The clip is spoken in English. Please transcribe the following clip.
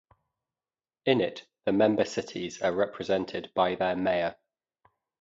In it the member cities are represented by their mayor.